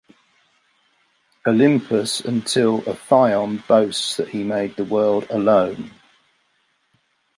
Olympus until Ophion boasts that he made the world alone.